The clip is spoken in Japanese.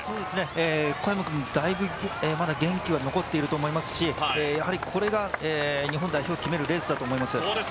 小山君、だいぶ元気は残っていると思いますしこれが日本代表を決めるレースだと思います。